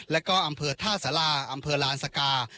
อำเภอะท่าสลาออำเภอะลาซากา